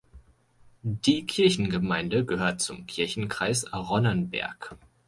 Die Kirchengemeinde gehört zum Kirchenkreis Ronnenberg.